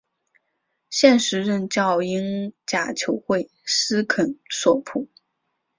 现时任教英甲球会斯肯索普。